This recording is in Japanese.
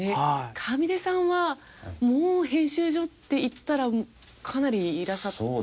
上出さんはもう編集所っていったらかなりいらっしゃってたんじゃないですか？